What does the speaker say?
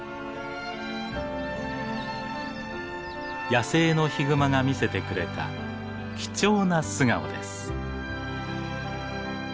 野生のヒグマが見せてくれた貴重な素顔です。